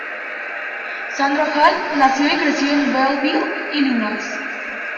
Sandra Hall nació y creció en Belleville, Illinois.